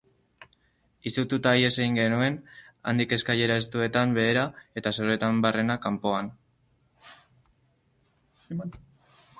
Izututa ihes egin genuen handik eskailera estuetan behera eta soroetan barrena kanpoan.